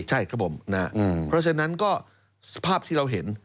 ใช่ครับผมนะครับเพราะฉะนั้นก็สภาพที่เราเห็น